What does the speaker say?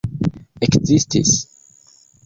ekzistis